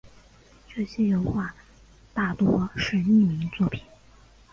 这些油画大多是匿名作品。